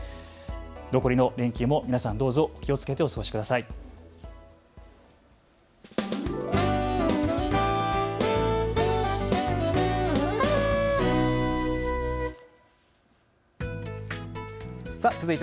残りの連休も皆さんどうぞ気をつけてお過ごしください。